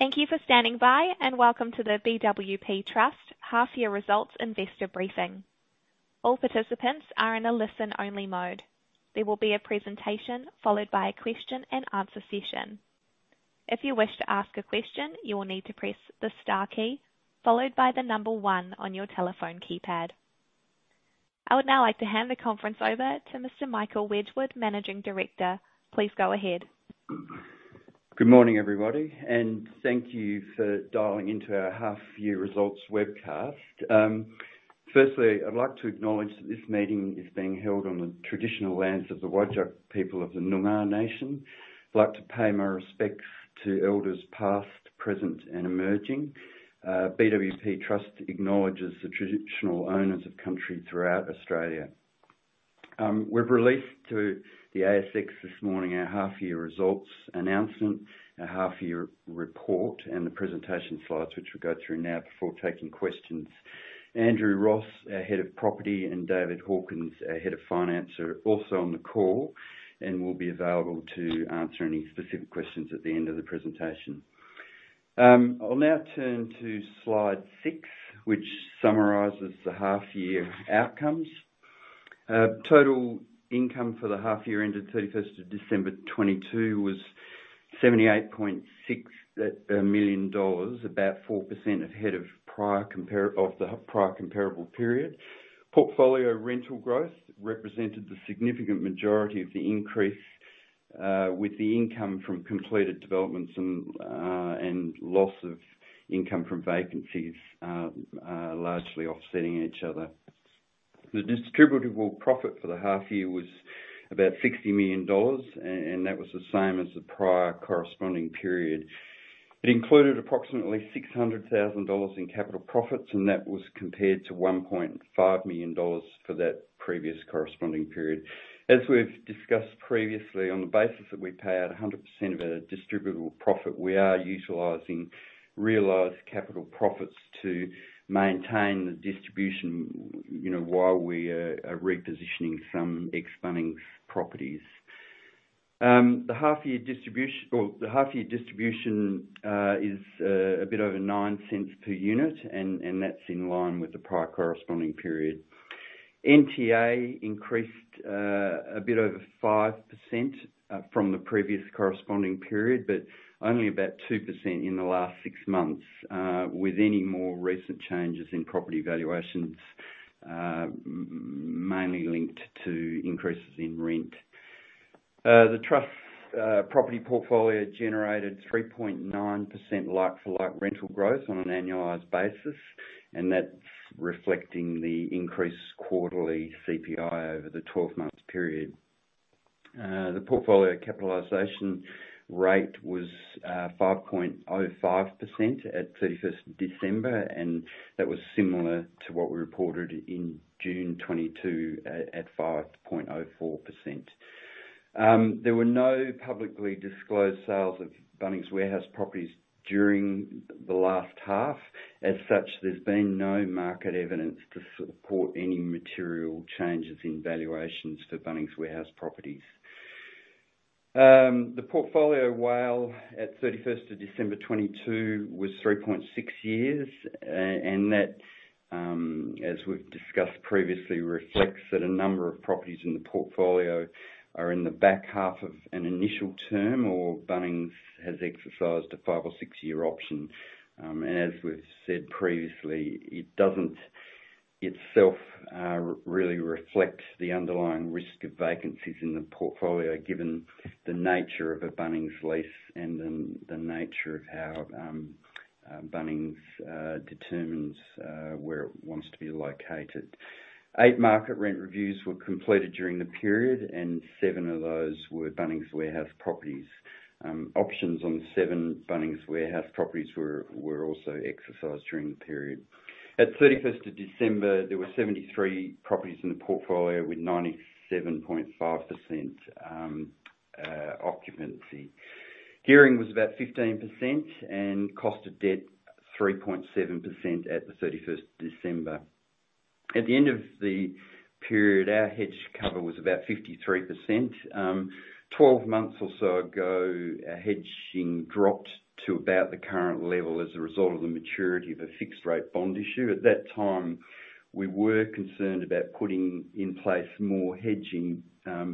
Thank you for standing by. Welcome to the BWP Trust half-year results investor briefing. All participants are in a listen-only mode. There will be a presentation followed by a question-and-answer session. If you wish to ask a question, you will need to press the star key followed by the number 1 on your telephone keypad. I would now like to hand the conference over to Mr. Michael Wedgwood, Managing Director. Please go ahead. Good morning, everybody, thank you for dialing into our half year results webcast. Firstly, I'd like to acknowledge that this meeting is being held on the traditional lands of the Whadjuk people of the Noongar nation. I'd like to pay my respects to elders past, present, and emerging. BWP Trust acknowledges the traditional owners of country throughout Australia. We've released to the ASX this morning our half year results announcement, our half year report, and the presentation slides, which we'll go through now before taking questions. Andrew Ross, our Head of Property, and David Hawkins, our Head of Finance, are also on the call and will be available to answer any specific questions at the end of the presentation. I'll now turn to slide 6, which summarizes the half year outcomes. Total income for the half year ended 31st of December 2022 was 78.6 million dollars, about 4% ahead of the prior comparable period. Portfolio rental growth represented the significant majority of the increase, with the income from completed developments and loss of income from vacancies largely offsetting each other. The distributable profit for the half year was about 60 million dollars, and that was the same as the prior corresponding period. It included approximately 600,000 dollars in capital profits, and that was compared to 1.5 million dollars for that previous corresponding period. As we've discussed previously, on the basis that we pay out 100% of our distributable profit, we are utilizing realized capital profits to maintain the distribution, you know, while we are repositioning some ex-Bunnings properties. The half year distribution is a bit over 0.09 per unit, and that's in line with the prior corresponding period. NTA increased a bit over 5% from the previous corresponding period, but only about 2% in the last six months with any more recent changes in property valuations mainly linked to increases in rent. The trust property portfolio generated 3.9% like-for-like rental growth on an annualized basis, and that's reflecting the increased quarterly CPI over the 12-month period. The portfolio capitalization rate was 5.05% at December 31, and that was similar to what we reported in June 2022 at 5.04%. There were no publicly disclosed sales of Bunnings Warehouse properties during the last half. As such, there's been no market evidence to support any material changes in valuations for Bunnings Warehouse properties. The portfolio WALE at 31st of December 2022 was 3.6 years, and that, as we've discussed previously, reflects that a number of properties in the portfolio are in the back half of an initial term or Bunnings has exercised a 5 or 6-year option. As we've said previously, it doesn't itself really reflect the underlying risk of vacancies in the portfolio, given the nature of a Bunnings lease and the nature of how Bunnings determines where it wants to be located. 8 market rent reviews were completed during the period, and 7 of those were Bunnings Warehouse properties. Options on 7 Bunnings Warehouse properties were also exercised during the period. At 31st of December, there were 73 properties in the portfolio with 97.5% occupancy. Gearing was about 15% and cost of debt 3.7% at the 31st of December. At the end of the period, our hedge cover was about 53%. Twelve months or so ago, our hedging dropped to about the current level as a result of the maturity of a fixed rate bond issue. At that time, we were concerned about putting in place more hedging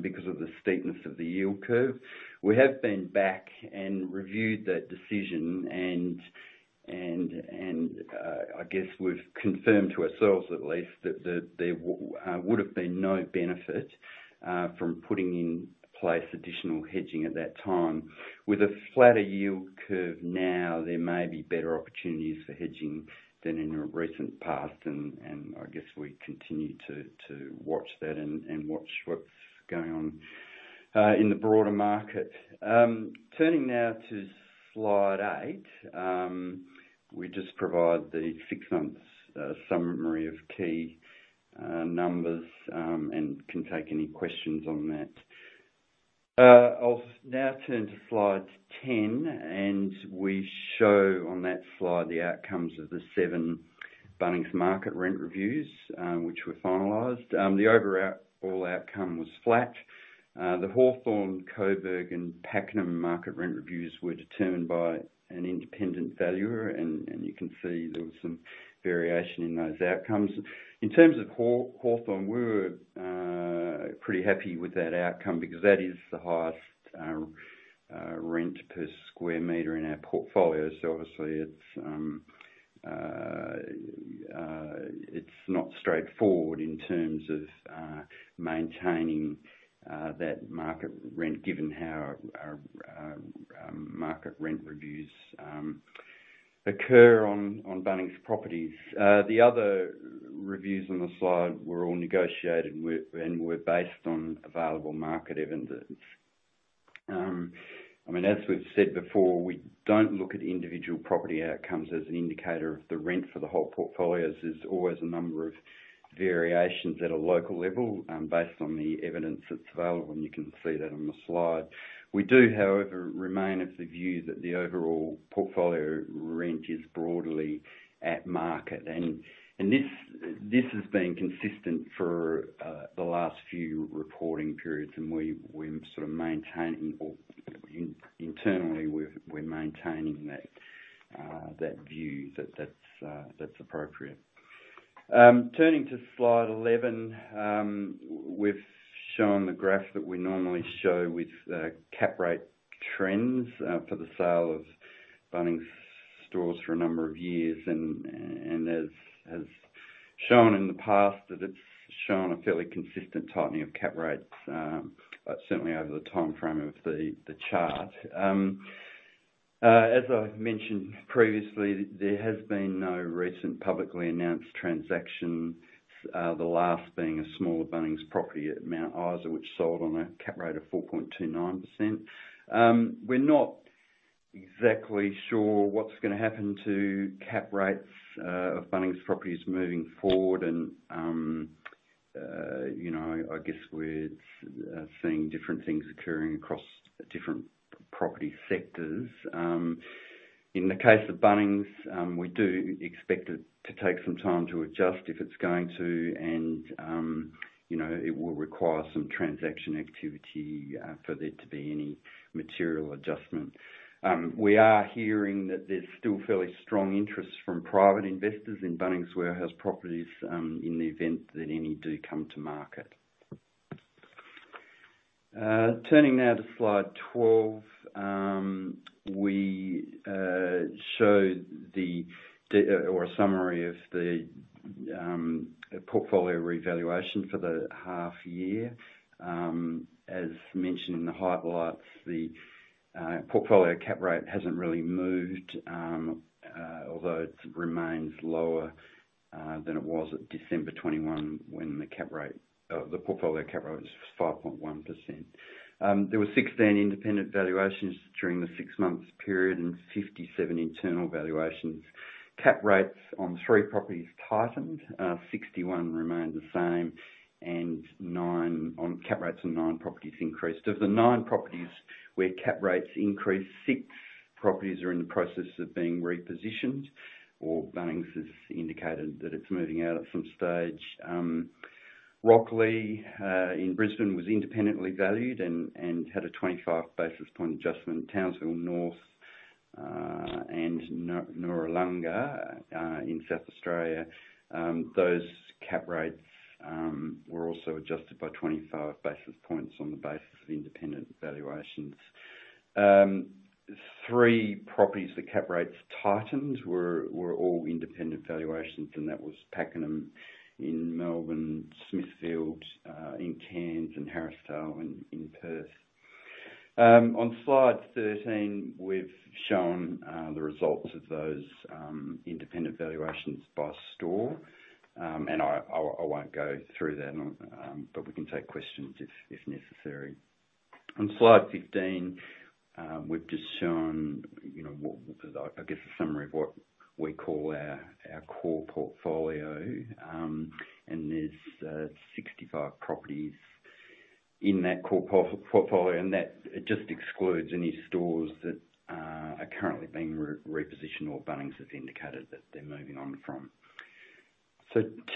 because of the steepness of the yield curve. We have been back and reviewed that decision and, I guess we've confirmed to ourselves at least that there would have been no benefit from putting in place additional hedging at that time. With a flatter yield curve now, there may be better opportunities for hedging than in the recent past and I guess we continue to watch that and watch what's going on in the broader market. Turning now to slide eight, we just provide the six months summary of key numbers and can take any questions on that. I'll now turn to slide 10. We show on that slide the outcomes of the seven Bunnings market rent reviews, which were finalized. The overall outcome was flat. The Hawthorn, Coburg, and Pakenham market rent reviews were determined by an independent valuer. You can see there was some variation in those outcomes. In terms of Hawthorn, we were pretty happy with that outcome because that is the highest rent per square meter in our portfolio. Obviously, it's not straightforward in terms of maintaining that market rent, given how our market rent reviews occur on Bunnings properties. The other reviews on the slide were all negotiated and were based on available market evidence. I mean, as we've said before, we don't look at individual property outcomes as an indicator of the rent for the whole portfolio, as there's always a number of variations at a local level, based on the evidence that's available, and you can see that on the slide. We do, however, remain of the view that the overall portfolio rent is broadly at market. This has been consistent for the last few reporting periods, and we're sort of maintaining or internally, we're maintaining that view that that's appropriate. Turning to slide 11, we've shown the graph that we normally show with cap rate trends for the sale of Bunnings stores for a number of years. As has shown in the past, that it's shown a fairly consistent tightening of cap rates, certainly over the timeframe of the chart. As I've mentioned previously, there has been no recent publicly announced transaction, the last being a smaller Bunnings property at Mount Isa, which sold on a cap rate of 4.29%. We're not exactly sure what's gonna happen to cap rates of Bunnings properties moving forward. You know, I guess we're seeing different things occurring across different property sectors. In the case of Bunnings, we do expect it to take some time to adjust if it's going to. You know, it will require some transaction activity for there to be any material adjustment. We are hearing that there's still fairly strong interest from private investors in Bunnings Warehouse properties in the event that any do come to market. Turning now to slide 12, we show or a summary of the portfolio revaluation for the half year. As mentioned in the highlights, the portfolio cap rate hasn't really moved, although it remains lower than it was at December 2021 when the portfolio cap rate was 5.1%. There were 16 independent valuations during the 6 months period and 57 internal valuations. Cap rates on 3 properties tightened, 61 remained the same, and on cap rates on 9 properties increased. Of the 9 properties where cap rates increased, 6 properties are in the process of being repositioned, or Bunnings has indicated that it's moving out at some stage. Rocklea in Brisbane was independently valued and had a 25 basis point adjustment. Townsville North and Noarlunga in South Australia, those cap rates were also adjusted by 25 basis points on the basis of independent valuations. 3 properties, the cap rates tightened were all independent valuations and that was Pakenham in Melbourne, Smithfield in Cairns, and Harrisdale in Perth. On slide 13, we've shown the results of those independent valuations by store. I won't go through that on, but we can take questions if necessary. On slide 15, we've just shown, you know, what the I guess a summary of what we call our core portfolio. There's 65 properties in that core portfolio, and that just excludes any stores that are currently being repositioned or Bunnings has indicated that they're moving on from.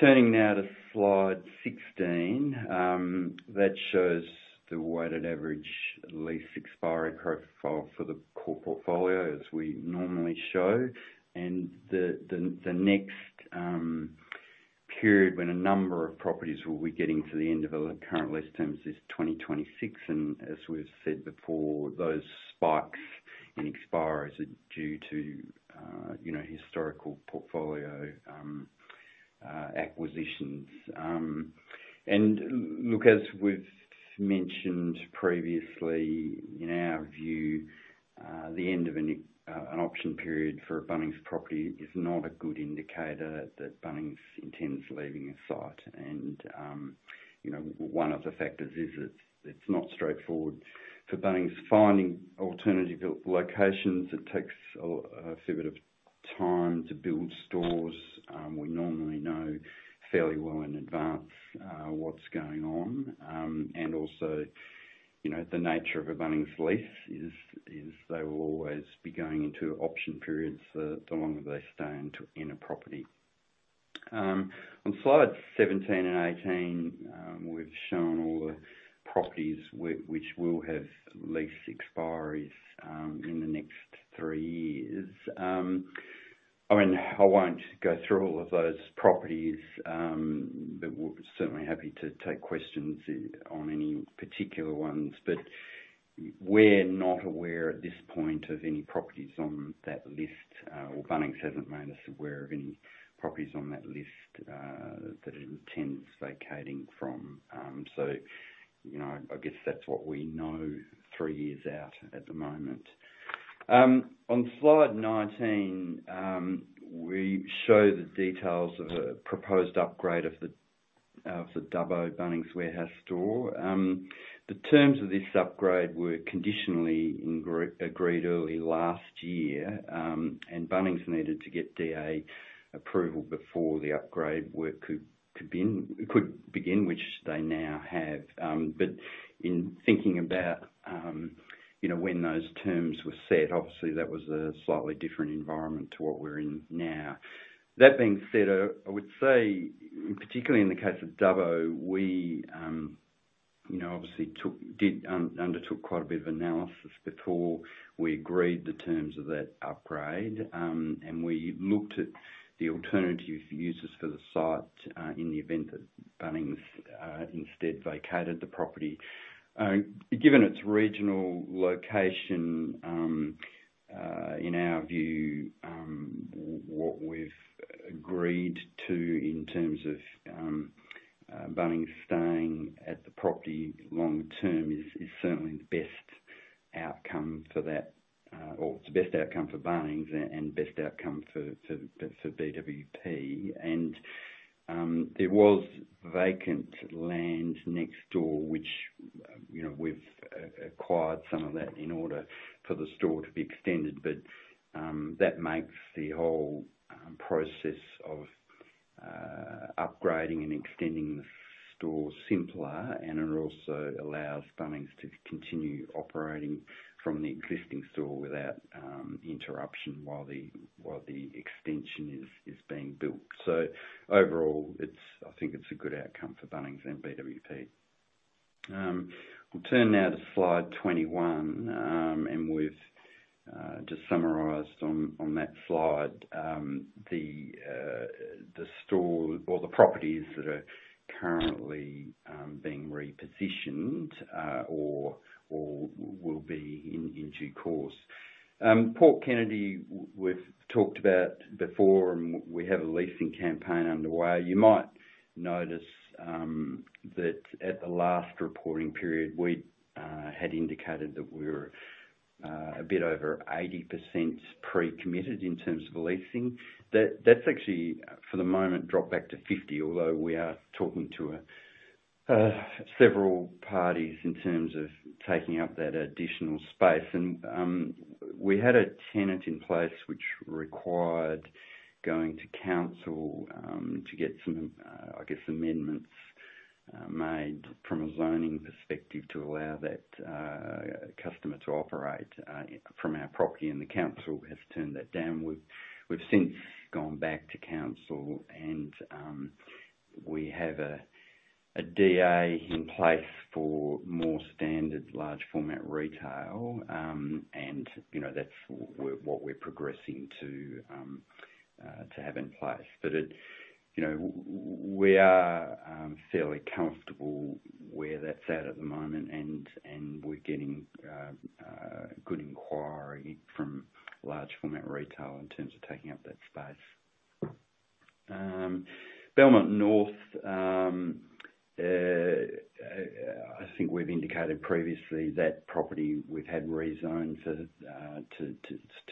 Turning now to slide 16, that shows the weighted average lease expiry profile for the core portfolio, as we normally show. The next period when a number of properties will be getting to the end of their current lease terms is 2026. As we've said before, those spikes in expiries are due to, you know, historical portfolio acquisitions. Look, as we've mentioned previously, in our view, the end of an option period for a Bunnings property is not a good indicator that Bunnings intends leaving a site. you know, one of the factors is it's not straightforward for Bunnings finding alternative locations. It takes a fair bit of time to build stores, we normally fairly well in advance, what's going on. Also, you know, the nature of a Bunnings lease is they will always be going into option periods, the longer they stay in a property. On slide 17 and 18, we've shown all the properties which will have lease expiries in the next three years. I mean, I won't go through all of those properties, but we're certainly happy to take questions on any particular ones. We're not aware at this point of any properties on that list, or Bunnings hasn't made us aware of any properties on that list that it intends vacating from. You know, I guess that's what we know three years out at the moment. On slide 19, we show the details of a proposed upgrade of the Dubbo Bunnings Warehouse store. The terms of this upgrade were conditionally agreed early last year, Bunnings needed to get DA approval before the upgrade work could begin, which they now have. In thinking about, you know, when those terms were set, obviously that was a slightly different environment to what we're in now. That being said, I would say, particularly in the case of Dubbo, we, you know, obviously undertook quite a bit of analysis before we agreed the terms of that upgrade. We looked at the alternative uses for the site in the event that Bunnings instead vacated the property. Given its regional location, in our view, what we've agreed to in terms of Bunnings staying at the property long term is certainly the best outcome for that. Or it's the best outcome for Bunnings and best outcome for BWP. There was vacant land next door, which, you know, we've acquired some of that in order for the store to be extended. That makes the whole process of upgrading and extending the store simpler, and it also allows Bunnings to continue operating from the existing store without interruption while the extension is being built. Overall, it's, I think it's a good outcome for Bunnings and BWP. We'll turn now to slide 21. And we've just summarized on that slide the store or the properties that are currently being repositioned or will be in due course. Port Kennedy, we've talked about before, and we have a leasing campaign underway. You might notice that at the last reporting period, we had indicated that we were a bit over 80% pre-committed in terms of leasing. That's actually for the moment dropped back to 50, although we are talking to several parties in terms of taking up that additional space. We had a tenant in place which required going to Council to get some I guess, amendments made from a zoning perspective to allow that customer to operate from our property, and the Council has turned that down. We've since gone back to Council. We have a DA in place for more standard large format retail. You know, that's what we're progressing to to have in place. It, you know, we are fairly comfortable where that's at at the moment and we're getting good inquiry from large format retail in terms of taking up that space. Belmont North, I think we've indicated previously that property we've had rezoned for to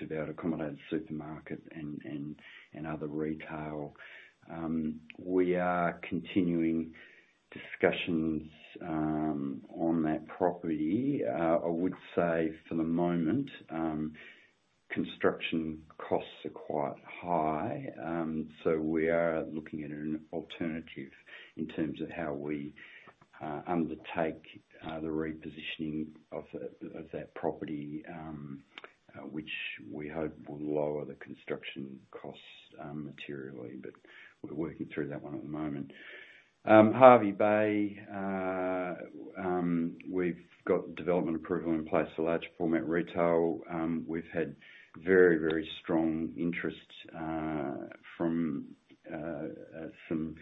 be able to accommodate a supermarket and other retail. We are continuing discussions on that property. I would say for the moment, construction costs are quite high, so we are looking at an alternative in terms of how we undertake the repositioning of that property, which we hope will lower the construction costs materially. We're working through that one at the moment. Hervey Bay, we've got development approval in place for large format retail. We've had very strong interest from some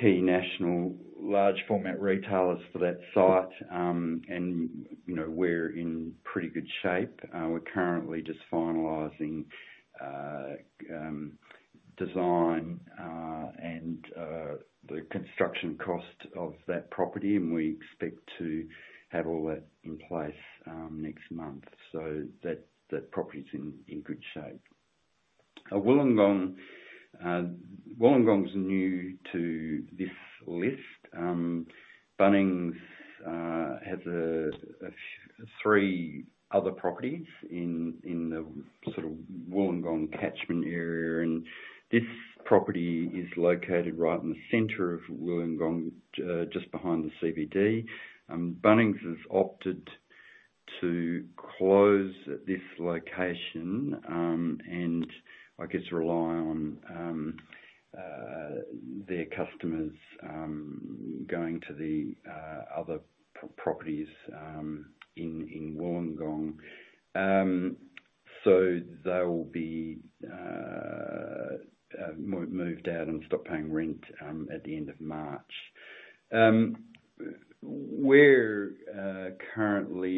key national large format retailers for that site. You know, we're in pretty good shape. We're currently just finalizing design and the construction cost of that property, and we expect to have all that in place next month. That property's in good shape. Wollongong's new to this list. Bunnings has three other properties in the sort of Wollongong catchment area. This property is located right in the center of Wollongong, just behind the CBD. Bunnings has opted to close this location, and I guess, rely on their customers going to the other properties in Wollongong. They'll be moved out and stop paying rent at the end of March.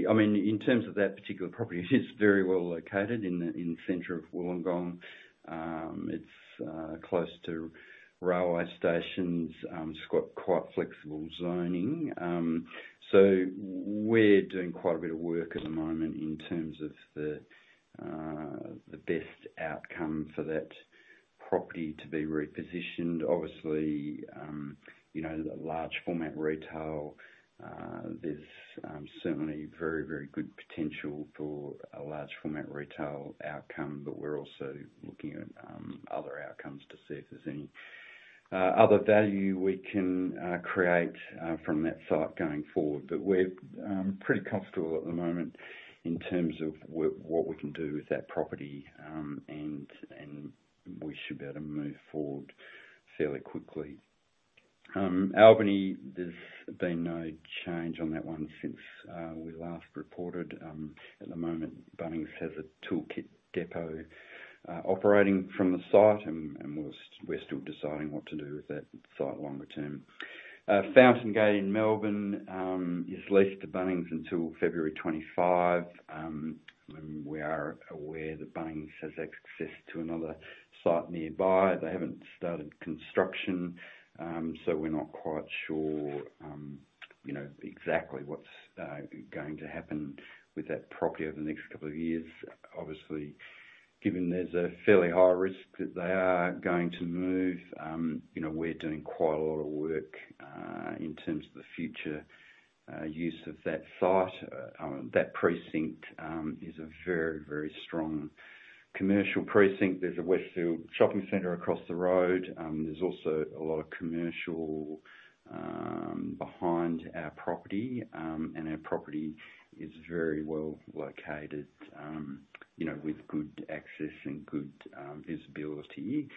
I mean, in terms of that particular property, it's very well located in the center of Wollongong. It's close to railway stations. It's got quite flexible zoning. We're doing quite a bit of work at the moment in terms of the best outcome for that property to be repositioned. Obviously, you know, the large format retail, there's certainly very, very good potential for a large format retail outcome. We're also looking at other outcomes to see if there's any other value we can create from that site going forward. We're pretty comfortable at the moment in terms of what we can do with that property, and we should be able to move forward fairly quickly. Albany, there's been no change on that one since we last reported. At the moment, Bunnings has a Tool Kit Depot operating from the site and we're still deciding what to do with that site longer term. Fountain Gate in Melbourne is leased to Bunnings until February 2025. We are aware that Bunnings has access to another site nearby. They haven't started construction, we're not quite sure, you know, exactly what's going to happen with that property over the next couple of years. Obviously, given there's a fairly high risk that they are going to move, you know, we're doing quite a lot of work in terms of the future use of that site. That precinct is a very, very strong commercial precinct. There's a Westfield shopping center across the road. There's also a lot of commercial behind our property. Our property is very well located, you know, with good access and good visibility.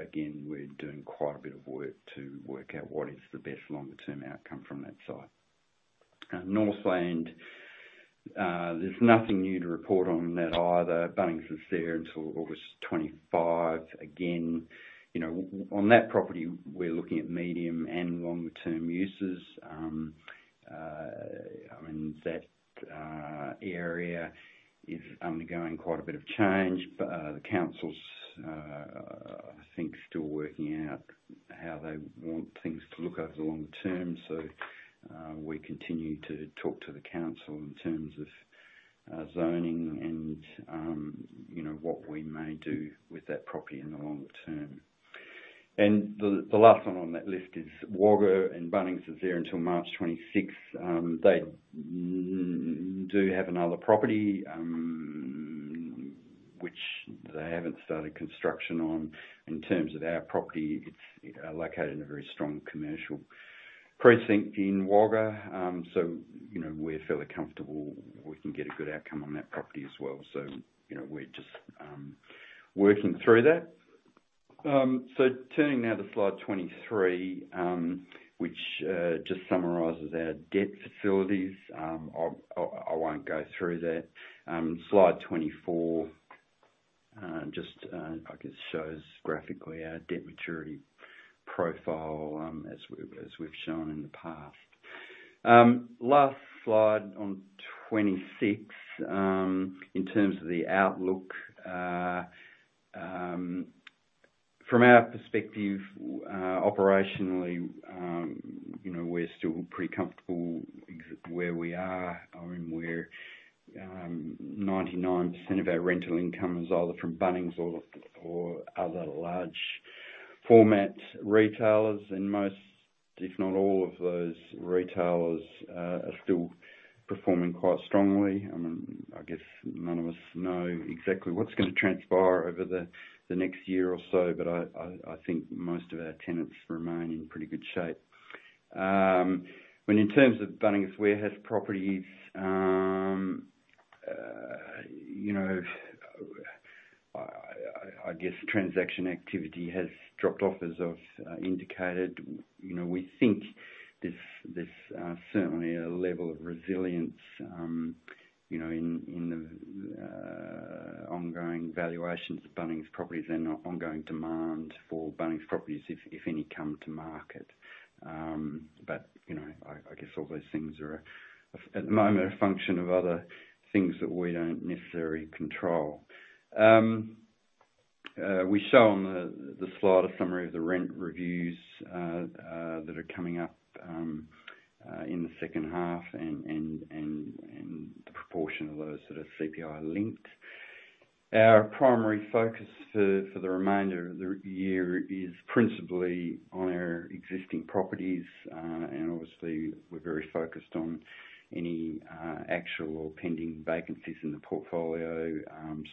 Again, we're doing quite a bit of work to work out what is the best longer term outcome from that site. Northland, there's nothing new to report on that either. Bunnings is there until August 2025. Again, you know, on that property, we're looking at medium and longer term uses. I mean, that area is undergoing quite a bit of change. The council's, I think still working out how they want things to look over the long term. We continue to talk to the council in terms of zoning and, you know, what we may do with that property in the longer term. The last one on that list is Wagga, and Bunnings is there until March 26th. They do have another property, which they haven't started construction on. In terms of our property, it's located in a very strong commercial precinct in Wagga. You know, we're fairly comfortable we can get a good outcome on that property as well. You know, we're just working through that. Turning now to slide 23, which just summarizes our debt facilities. I won't go through that. Slide 24 just, I guess, shows graphically our debt maturity profile, as we've shown in the past. Last slide, on 26. In terms of the outlook, from our perspective, operationally, you know, we're still pretty comfortable where we are. I mean, we're 99% of our rental income is either from Bunnings or other large format retailers. Most, if not all of those retailers are still performing quite strongly. I mean, I guess none of us know exactly what's gonna transpire over the next year or so. I think most of our tenants remain in pretty good shape. When in terms of Bunnings Warehouse properties, you know, I guess transaction activity has dropped off, as I've indicated. You know, we think there's certainly a level of resilience, you know, in the ongoing valuations of Bunnings properties and ongoing demand for Bunnings properties if any come to market. You know, I guess all those things are at the moment, a function of other things that we don't necessarily control. We show on the slide a summary of the rent reviews that are coming up in the second half and the proportion of those that are CPI linked. Our primary focus for the remainder of the year is principally on our existing properties. Obviously we're very focused on any actual or pending vacancies in the portfolio,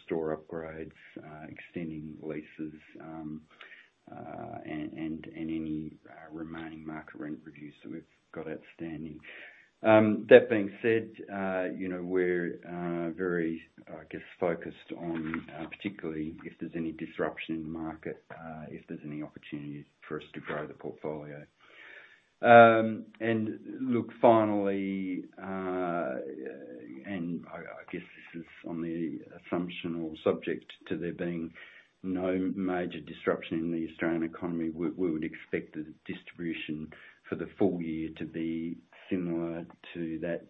store upgrades, extending leases, and any remaining market rent reviews that we've got outstanding. That being said, you know, we're very, I guess, focused on particularly if there's any disruption in the market, if there's any opportunities for us to grow the portfolio. Look finally, I guess this is on the assumption or subject to there being no major disruption in the Australian economy, we would expect the distribution for the full year to be similar to that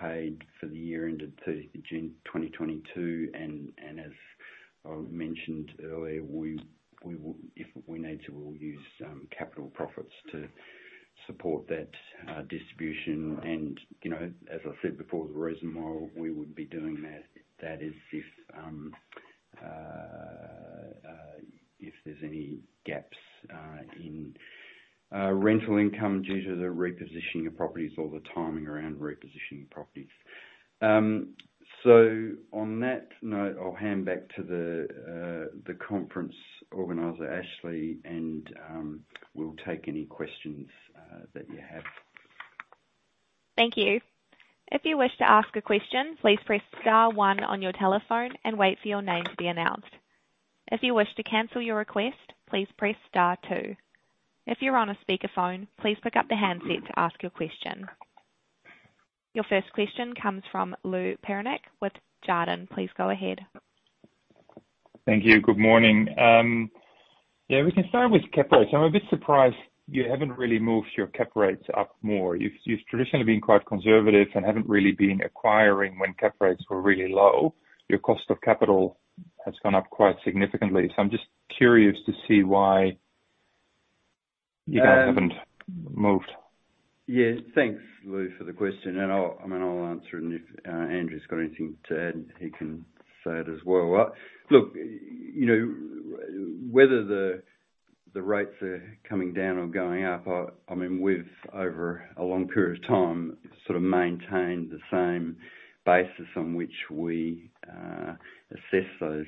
paid for the year ended June 30, 2022. As I mentioned earlier, we will if we need to, we'll use capital profits to support that distribution. You know, as I said before, the reason why we would be doing that is if there's any gaps in rental income due to the repositioning of properties or the timing around repositioning properties. On that note, I'll hand back to the conference organizer, Ashley, and we'll take any questions that you have. Thank you. If you wish to ask a question, please press star one on your telephone and wait for your name to be announced. If you wish to cancel your request, please press star two. If you're on a speakerphone, please pick up the handset to ask your question. Your first question comes from Lou Pirenc with Jarden. Please go ahead. Thank you. Good morning. We can start with cap rates. I'm a bit surprised you haven't really moved your cap rates up more. You've traditionally been quite conservative and haven't really been acquiring when cap rates were really low. Your cost of capital has gone up quite significantly, so I'm just curious to see why you guys haven't moved. Yeah. Thanks, Lou Pirenc, for the question. I mean, I'll answer and if Andrew's got anything to add, he can say it as well. Look, you know, whether the rates are coming down or going up, I mean, we've over a long period of time sort of maintained the same basis on which we assess those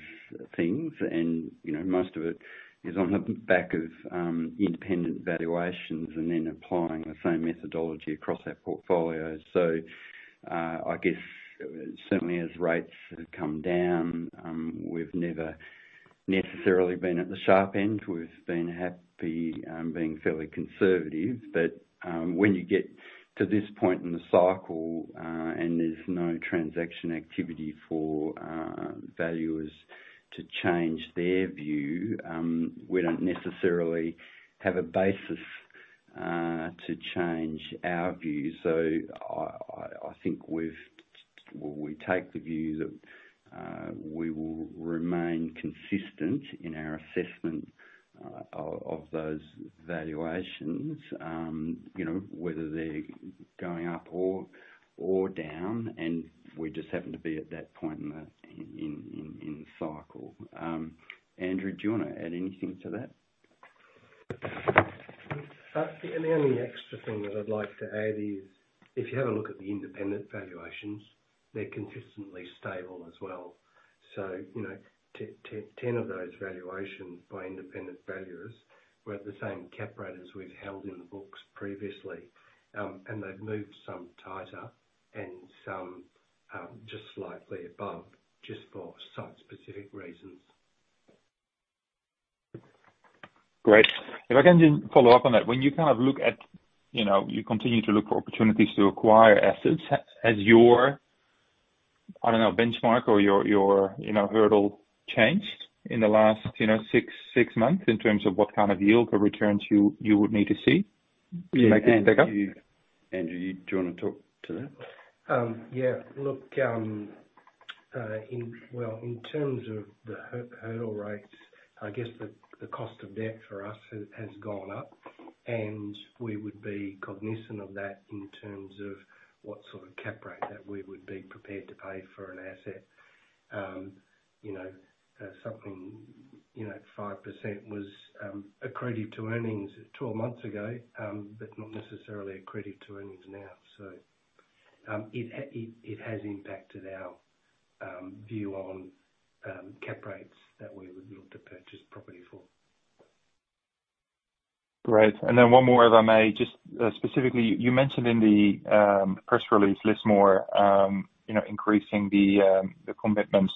things. You know, most of it is on the back of independent valuations and then applying the same methodology across our portfolio. I guess certainly as rates have come down, we've never necessarily been at the sharp end. We've been happy being fairly conservative. When you get to this point in the cycle, and there's no transaction activity for valuers to change their view, we don't necessarily have a basis to change our view. I think Well, we take the view that we will remain consistent in our assessment of those valuations, you know, whether they're going up or down. We just happen to be at that point in the cycle. Andrew, do you wanna add anything to that? The only extra thing that I'd like to add is if you have a look at the independent valuations, they're consistently stable as well. You know, 10 of those valuations by independent valuers were at the same cap rate as we've held in the books previously. They've moved some tighter and some just slightly above just for site-specific reasons. Great. If I can just follow up on that. When you kind of look at, you know, you continue to look for opportunities to acquire assets, has your, I don't know, benchmark or your, you know, hurdle changed in the last, you know, 6 months in terms of what kind of yield or returns you would need to see to make this stack up? Andrew, do you wanna talk to that? Yeah. Look, well, in terms of the hurdle rates, I guess the cost of debt for us has gone up and we would be cognizant of that in terms of what sort of cap rate that we would be prepared to pay for an asset. You know, something, you know, at 5% was accretive to earnings 12 months ago, but not necessarily accretive to earnings now. It has impacted our view on cap rates that we would look to purchase property for. Great. Then one more, if I may. Just specifically, you mentioned in the press release Lismore, you know, increasing the commitments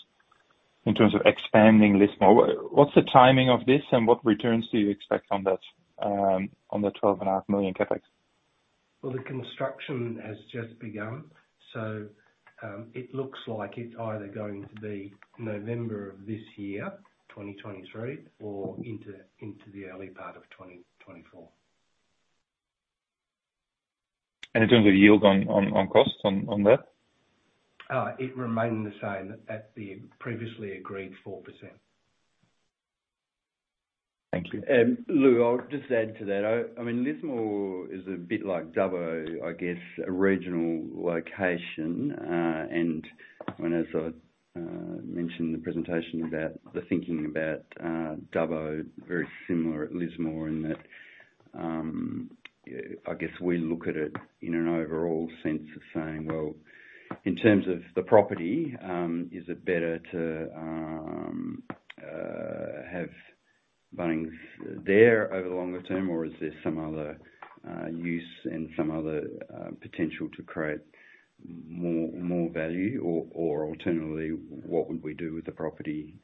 in terms of expanding Lismore. What's the timing of this and what returns do you expect on that on the 12.5 million CapEx? The construction has just begun, it looks like it's either going to be November of this year, 2023, or into the early part of 2024. In terms of yield on costs on that? It remained the same at the previously agreed 4%. Thank you. Lou, I mean, Lismore is a bit like Dubbo, I guess, a regional location. As I mentioned in the presentation about the thinking about Dubbo, very similar at Lismore in that, I guess we look at it in an overall sense of saying, well, in terms of the property, is it better to have Bunnings there over the longer term, or is there some other use and some other potential to create more value? Alternatively, what would we do with the property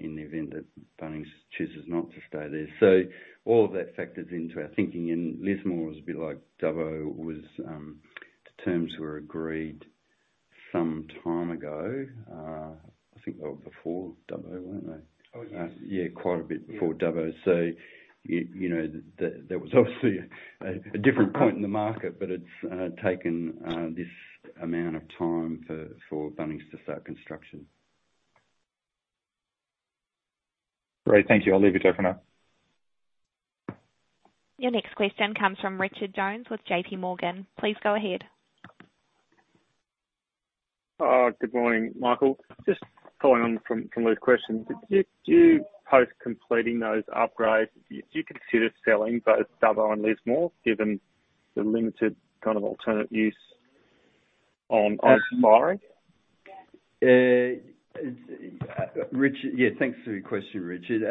in the event that Bunnings chooses not to stay there? All of that factors into our thinking, and Lismore was a bit like Dubbo was, the terms were agreed some time ago. I think they were before Dubbo, weren't they? Oh, yeah. Yeah, quite a bit before Dubbo. You know, that was obviously a different point in the market, but it's taken this amount of time for Bunnings to start construction. Great. Thank you. I'll leave the telephone. Your next question comes from Richard Jones with JPMorgan. Please go ahead. Good morning, Michael. Just following on from Lou's question. Do you post completing those upgrades, do you consider selling both Dubbo and Lismore, given the limited kind of alternate use on aspiring? Yeah, thanks for your question, Richard.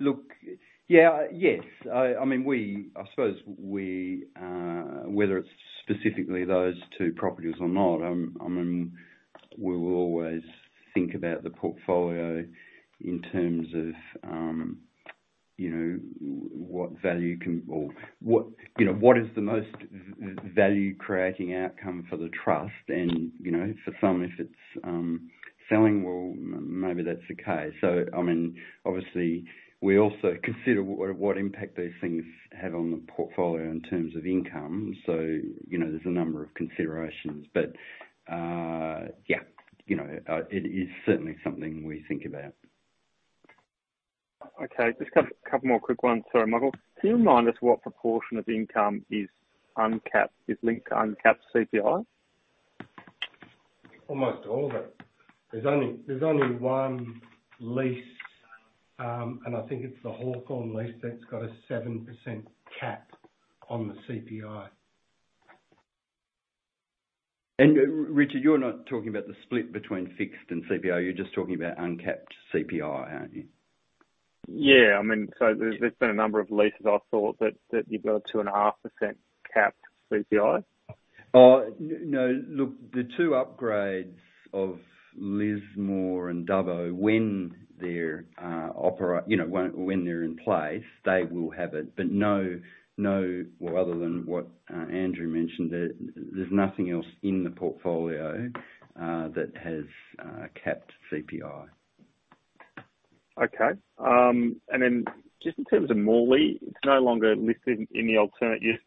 Look, yeah. Yes. I mean, I suppose we, whether it's specifically those two properties or not, I mean, we will always think about the portfolio in terms of, you know, what value can or what, you know, what is the most value creating outcome for the trust? You know, for some, if it's selling, well, maybe that's the case. I mean, obviously we also consider what impact these things have on the portfolio in terms of income. You know, there's a number of considerations. Yeah, you know, it is certainly something we think about. Okay. Just a couple more quick ones. Sorry, Michael. Can you remind us what proportion of income is uncapped, is linked to uncapped CPI? Almost all of it. There's only one lease, I think it's the Hawthorn lease that's got a 7% cap on the CPI. Richard, you're not talking about the split between fixed and CPI. You're just talking about uncapped CPI, aren't you? Yeah. I mean, there's been a number of leases I saw that you've got a 2.5% capped CPI. Oh, no. Look, the two upgrades of Lismore and Dubbo, when they're, you know, when they're in place, they will have it. No, no, well, other than what Andrew mentioned there's nothing else in the portfolio that has capped CPI. Okay. Just in terms of Morley, it's no longer listed in the alternate use.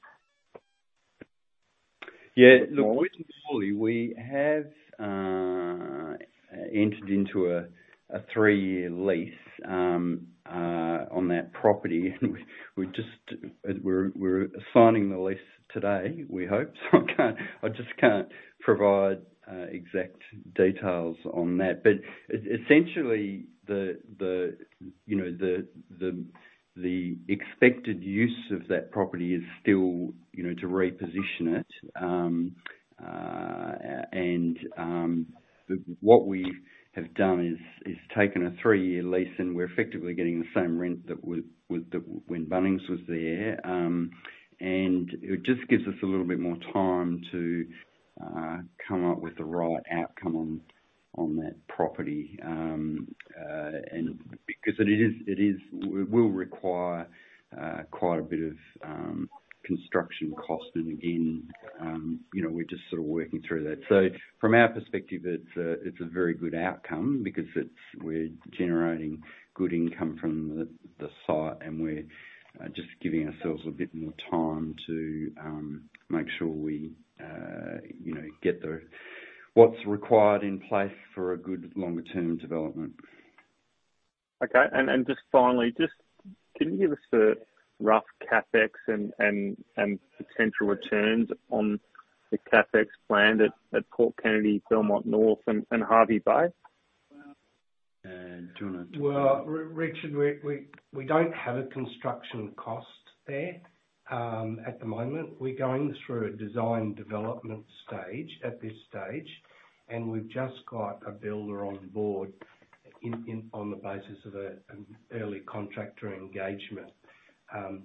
Yeah. Look, with Morley we have entered into a three-year lease on that property. We're signing the lease today, we hope so. I just can't provide exact details on that. Essentially the expected use of that property is still, you know, to reposition it. What we have done is taken a three-year lease and we're effectively getting the same rent that when Bunnings was there. It just gives us a little bit more time to come up with the right outcome on that property. Because it is it will require quite a bit of construction cost. Again, you know, we're just sort of working through that. From our perspective, it's a very good outcome because we're generating good income from the site and we're just giving ourselves a bit more time to make sure we, you know, get the what's required in place for a good longer term development. Okay. just finally, can you give us a rough CapEx and potential returns on the CapEx plan at Port Kennedy, Belmont North and Hervey Bay? Do you? Richard, we don't have a construction cost there, at the moment. We're going through a design development stage at this stage, and we've just got a builder on board on the basis of an early contractor involvement.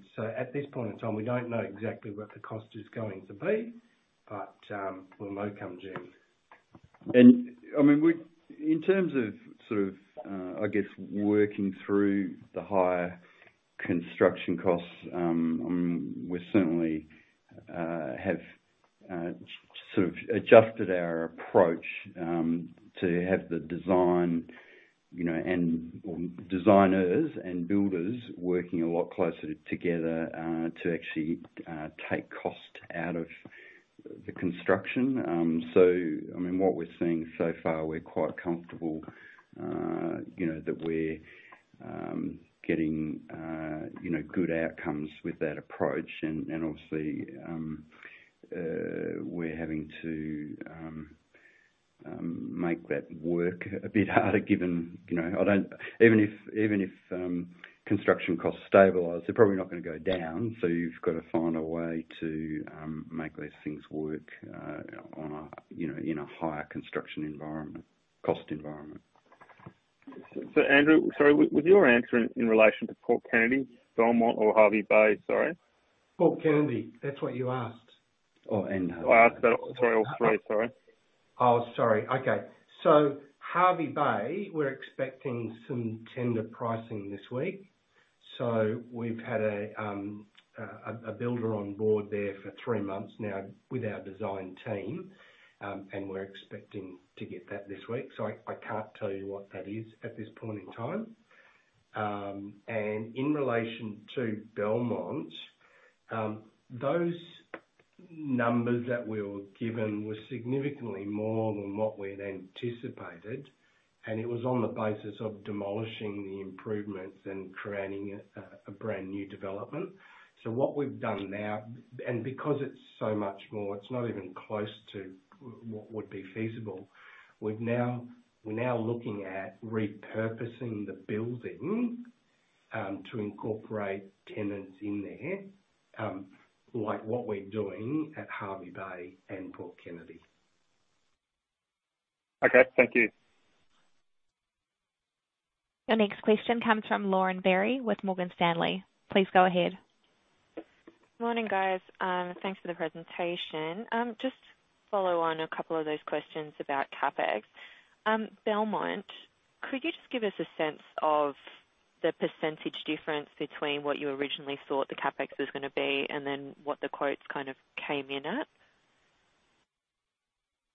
At this point in time, we don't know exactly what the cost is going to be, but we'll know come June. I mean, we in terms of sort of, I guess working through the higher construction costs, we certainly have sort of adjusted our approach to have the designers and builders working a lot closer together to actually take cost out of the construction. I mean, what we're seeing so far, we're quite comfortable, you know, that we're getting, you know, good outcomes with that approach. Obviously, we're having to make that work a bit harder given, you know, I don't... Even if construction costs stabilize, they're probably not gonna go down. You've got to find a way to make these things work on a, you know, in a higher construction environment, cost environment. Andrew, sorry, was your answer in relation to Port Kennedy, Belmont, or Hervey Bay? Sorry. Port Kennedy, that's what you asked. Oh. Oh, I asked that. Sorry. All three. Sorry. Oh, sorry. Okay. Hervey Bay, we're expecting some tender pricing this week. We've had a builder on board there for three months now with our design team. We're expecting to get that this week. I can't tell you what that is at this point in time. In relation to Belmont, those numbers that we were given were significantly more than what we'd anticipated, and it was on the basis of demolishing the improvements and creating a brand new development. What we've done now, and because it's so much more, it's not even close to what would be feasible. We're now looking at repurposing the building, to incorporate tenants in there, like what we're doing at Hervey Bay and Port Kennedy. Okay, thank you. Your next question comes from Lauren Berry with Morgan Stanley. Please go ahead. Morning, guys. Thanks for the presentation. Just to follow on a couple of those questions about CapEx. Belmont, could you just give us a sense of the % difference between what you originally thought the CapEx was gonna be and then what the quotes kind of came in at?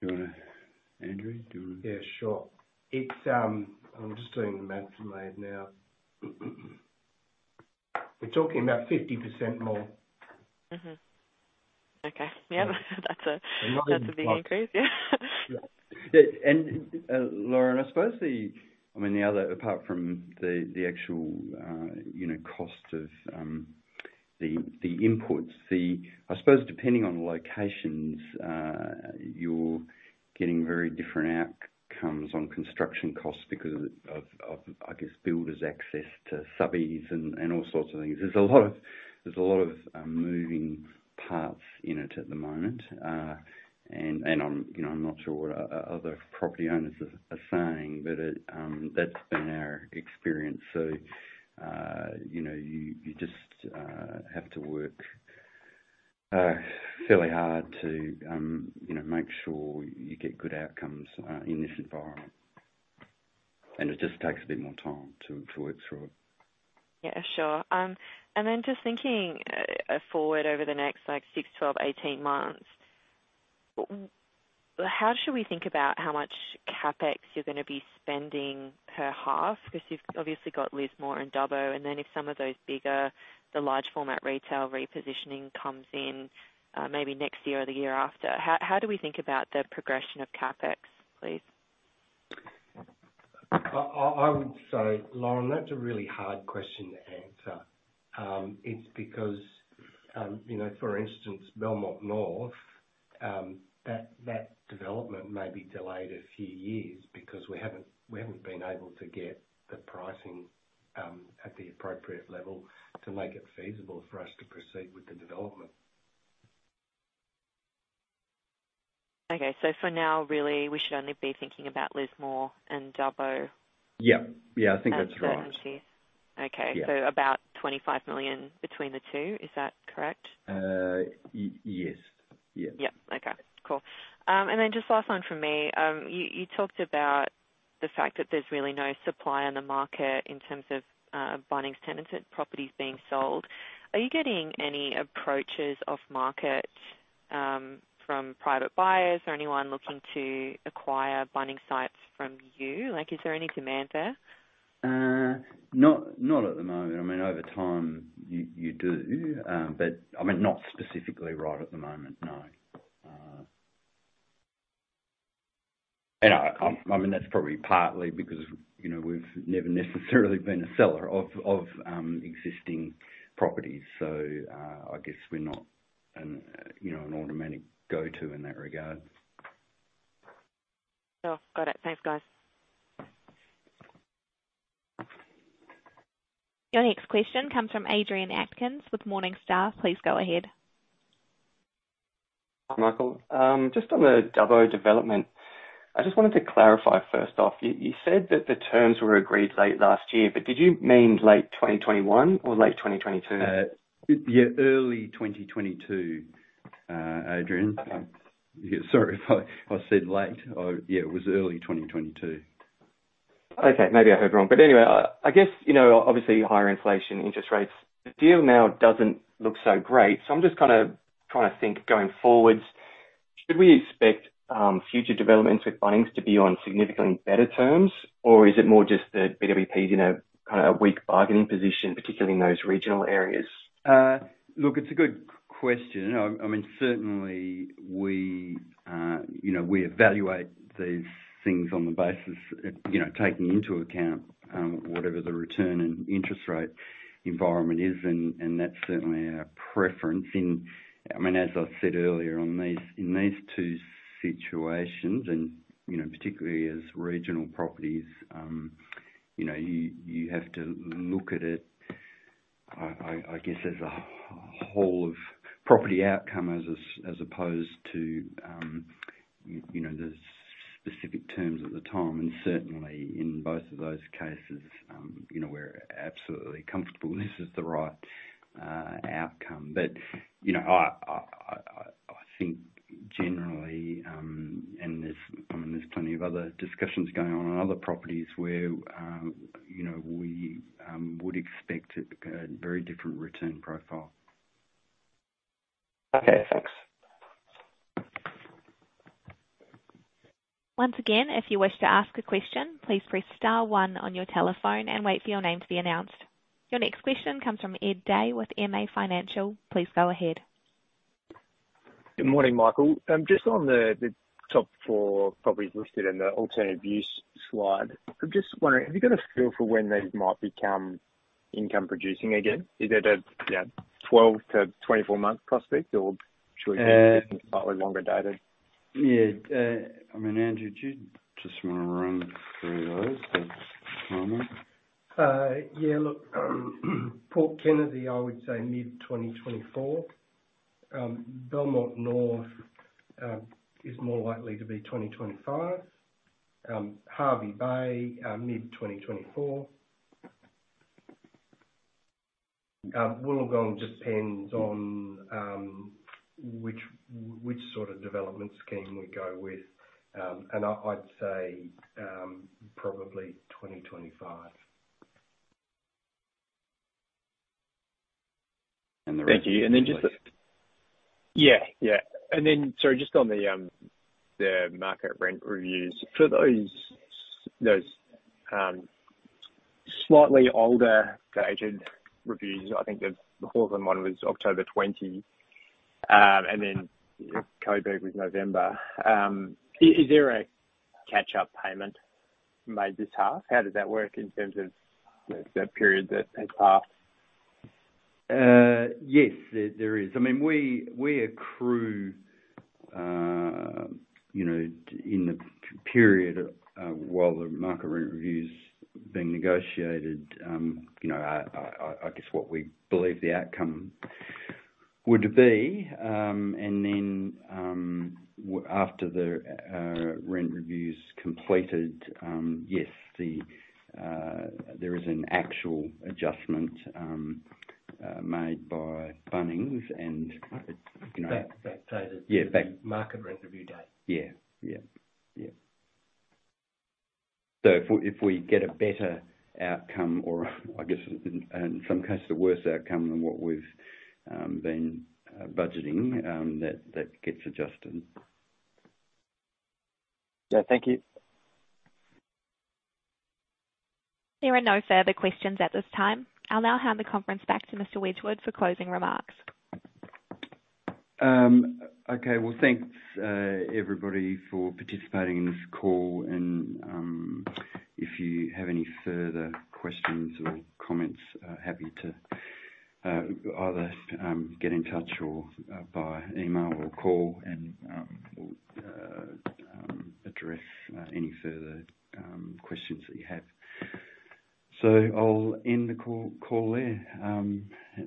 Andrew, do you wanna- Sure. It's, I'm just doing the math in my head now. We're talking about 50% more. Mm-hmm. Okay. Yeah. That's a big increase. Yeah. Yeah. Lauren, I suppose the, I mean, the other, apart from the actual, you know, cost of the inputs, I suppose depending on locations, you're getting very different outcomes on construction costs because of, I guess, builders' access to subbies and all sorts of things. There's a lot of moving parts in it at the moment. I'm, you know, I'm not sure what other property owners are saying, but it that's been our experience. You know, you just have to work fairly hard to, you know, make sure you get good outcomes in this environment. It just takes a bit more time to work through it. Yeah, sure. Just thinking forward over the next like six, 12, 18 months, how should we think about how much CapEx you're gonna be spending per half? Because you've obviously got Lismore and Dubbo, and then if some of those bigger, the large format retail repositioning comes in, maybe next year or the year after. How do we think about the progression of CapEx, please? I would say, Lauren, that's a really hard question to answer. It's because, you know, for instance, Belmont North, that development may be delayed a few years because we haven't been able to get the pricing at the appropriate level to make it feasible for us to proceed with the development. Okay. For now, really we should only be thinking about Lismore and Dubbo. Yeah. Yeah, I think that's right. Okay. Yeah. About 25 million between the two, is that correct? Yes. Yes. Yeah. Okay. Cool. Just last one from me. You, you talked about the fact that there's really no supply on the market in terms of Bunnings tenanted properties being sold. Are you getting any approaches off market from private buyers or anyone looking to acquire Bunnings sites from you? Like, is there any demand there? Not at the moment. I mean, over time, you do. I mean, not specifically right at the moment, no. I mean, that's probably partly because, you know, we've never necessarily been a seller of existing properties. I guess we're not an, you know, an automatic go-to in that regard. Cool. Got it. Thanks, guys. Your next question comes from Adrian Atkins with Morningstar. Please go ahead. Michael, just on the Dubbo development, I just wanted to clarify first off, you said that the terms were agreed late last year, but did you mean late 2021 or late 2022? Yeah, early 2022, Adrian. Yeah, sorry if I said late. Yeah, it was early 2022. Okay, maybe I heard wrong. Anyway, I guess, you know, obviously higher inflation, interest rates, the deal now doesn't look so great. I'm just kinda trying to think going forward. Should we expect, future developments with Bunnings to be on significantly better terms? Or is it more just that BWP is in a, kinda a weak bargaining position, particularly in those regional areas? look, it's a good question. I mean, certainly we, you know, we evaluate these things on the basis, you know, taking into account whatever the return and interest rate environment is. that's certainly our preference I mean, as I said earlier on these, in these two situations and, you know, particularly as regional properties, you know, you have to look at it, I guess as a whole of property outcome as opposed to, you know, the specific terms at the time. Certainly in both of those cases, you know, we're absolutely comfortable this is the right outcome. you know, I think generally, and there's, I mean, there's plenty of other discussions going on on other properties where, you know, we would expect a very different return profile. Okay, thanks. Once again, if you wish to ask a question, please press star one on your telephone and wait for your name to be announced. Your next question comes from Ed Day with MA Financial. Please go ahead. Good morning, Michael. Just on the top 4 properties listed in the alternative use slide, I'm just wondering, have you got a feel for when these might become income producing again? Is it a, you know, 12-24 month prospect? Uh- looking slightly longer dated? Yeah. I mean, Andrew, do you just wanna run through those at the moment? Yeah. Look, Port Kennedy, I would say mid 2024. Belmont North, is more likely to be 2025. Hervey Bay, mid 2024. Wollongong depends on, which sort of development scheme we go with. I'd say, probably 2025. the rest. Thank you. Just the... Yeah. Yeah. Sorry, just on the market rent reviews. For those slightly older dated reviews, I think the Portland one was October 20, and Coburg was November. Is there a catch-up payment made this half? How does that work in terms of, you know, the period that has passed? Yes, there is. I mean, we accrue, you know, in the period, while the market rent review's being negotiated, you know, I guess what we believe the outcome would be. Then, after the rent review's completed, yes, the, there is an actual adjustment, made by Bunnings and, you know. Backdated. Yeah. to the market rent review date. Yeah. Yeah. Yeah. If we get a better outcome or I guess in some cases a worse outcome than what we've been budgeting, that gets adjusted. Yeah. Thank you. There are no further questions at this time. I'll now hand the conference back to Mr. Wedgwood for closing remarks. Okay. Well, thanks everybody for participating in this call. If you have any further questions or comments, happy to either get in touch or by email or call, and we'll address any further questions that you have. I'll end the call there.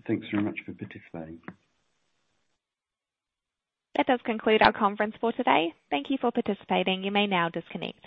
Thanks very much for participating. That does conclude our conference for today. Thank you for participating. You may now disconnect.